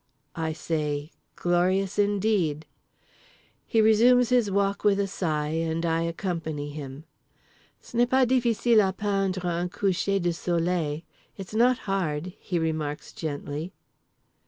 I say "Glorious indeed." He resumes his walk with a sigh, and I accompany him. "Ce n'est pas difficile à peindre, un coucher du soleil, it's not hard," he remarks gently.